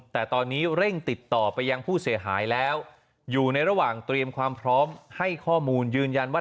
แต่ตอนนี้เร่งติดต่อไปยังผู้เสียหายแล้วอยู่ในระหว่างเตรียมความพร้อมให้ข้อมูลยืนยันว่า